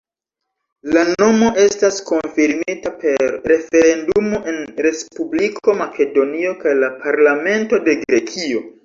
La nomo estas konfirmita per referendumo en Respubliko Makedonio kaj la parlamento de Grekio.